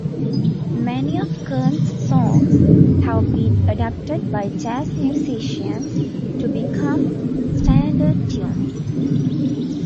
Many of Kern's songs have been adapted by jazz musicians to become standard tunes.